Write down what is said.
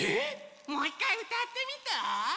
もういっかいうたってみて！